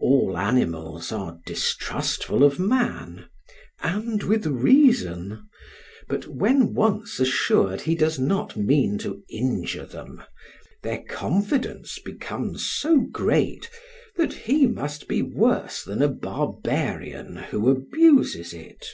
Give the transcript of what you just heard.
All animals are distrustful of man, and with reason, but when once assured he does not mean to injure them, their confidence becomes so great that he must be worse than a barbarian who abuses it.